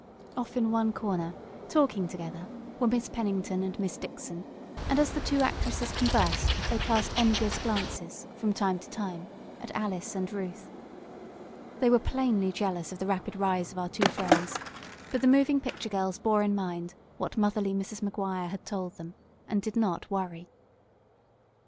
Off in one corner, talking together, were Miss Pennington and Miss Dixon, and, as the two actresses conversed they cast envious glances, from time to time, at Alice and Ruth. They were plainly jealous of the rapid rise of our two friends, but the moving picture girls bore in mind what motherly Mrs. Maguire had told them, and did not worry.